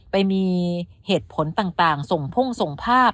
ไปมีเหตุผลต่างส่งพ่งส่งภาพ